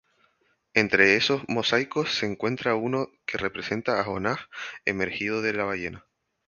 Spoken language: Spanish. Entre esos mosaicos, se encuentra uno que representa a Jonás emergiendo de la ballena.